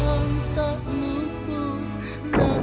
ayo cepat keluar